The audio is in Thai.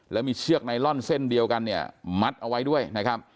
แล้วมีเชือกไนลอนเส้นเดียวกันเนี่ยมัดเอาไว้ด้วยนะครับ